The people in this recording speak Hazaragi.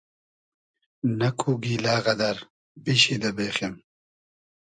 نئکو گیلۂ غئدئر بیشی دۂ بېخیم